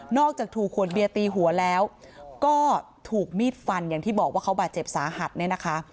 อกจากถูกขวดเบียร์ตีหัวแล้วก็ถูกมีดฟันอย่างที่บอกว่าเขาบาดเจ็บสาหัสเนี่ยนะคะ